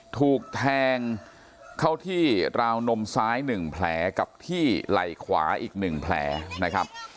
ถูกแทงเข้าที่ราวนมซ้าย๑แผลกับที่ไหล่ขวาอีก๑แผลนะครับ